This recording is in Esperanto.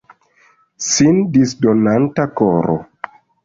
Sin disdonanta koro.